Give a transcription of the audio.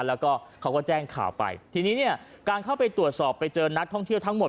แล้วก็เขาก็แจ้งข่าวไปทีนี้เนี่ยการเข้าไปตรวจสอบไปเจอนักท่องเที่ยวทั้งหมด